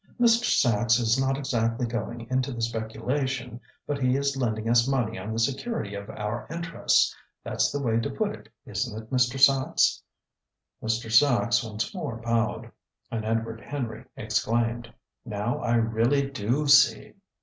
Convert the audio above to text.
"Mr. Sachs is not exactly going into the speculation, but he is lending us money on the security of our interests. That's the way to put it, isn't it, Mr. Sachs?" Mr. Sachs once more bowed. And Edward Henry exclaimed: "Now I really do see!"